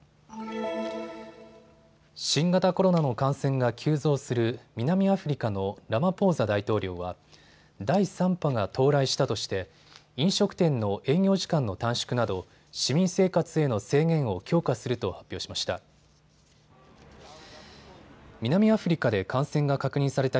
新型コロナの感染が急増する南アフリカのラマポーザ大統領は第３波が到来したとして飲食店の営業時間の短縮など市民生活への制限を強化すると発表しました。